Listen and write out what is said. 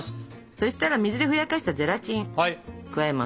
そしたら水でふやかしたゼラチン加えます。